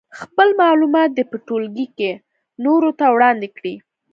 خپل معلومات دې په ټولګي کې نورو ته وړاندې کړي.